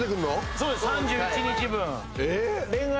そうです３１日分。え！